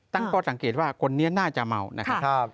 ตั้งข้อสังเกตว่าคนนี้น่าจะเมานะครับ